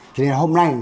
thế nên hôm nay